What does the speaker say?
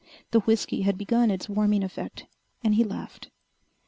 The whiskey had begun its warming effect, and he laughed.